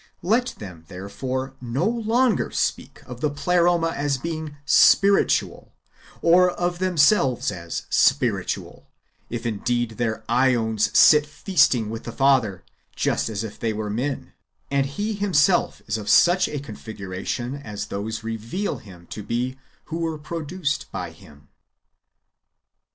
Let them therefore no longer speak of the Pleroma as being spiritual, or of themselves as " spiritual," if indeed their ^ons sit feasting with the Father, just as if they were naen, and He Himself is of such a configuration as those reveal Him to be who were produced by Him.